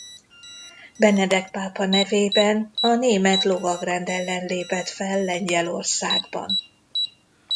Benedek pápa nevében a Német Lovagrend ellen lépett fel Lengyelországban.